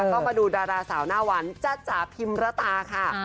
ก็มาดูดาราสาวหน้าวันจ๊ะพิมรตาค่ะ